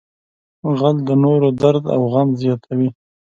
غل د نورو درد او غم زیاتوي